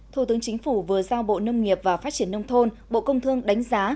thủ tướng chính phủ vừa giao bộ nông nghiệp và phát triển nông thôn bộ công thương đánh giá